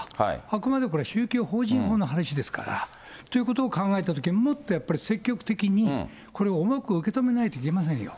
あくまで、これは宗教法人法の話ですから、ということを考えたときに、もっとやっぱり積極的に、これを重く受け止めないといけませんよ。